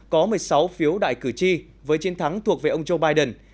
có một mươi sáu phiếu đại cử tri với chiến thắng thuộc về ông joe biden